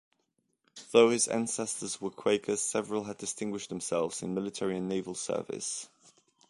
Though his ancestors were Quakers, several had distinguished themselves in military and naval service.